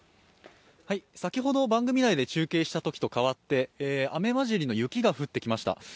先ほど番組内で中継したときと変わって雨まじりの雪が降ってきました。